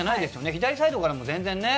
左サイドからも全然。